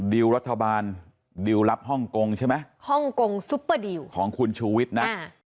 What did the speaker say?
ดีลรัชธาบาลดีลรับฮ่องกงใช่ไหม